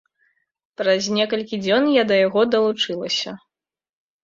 Праз некалькі дзён я да яго далучылася.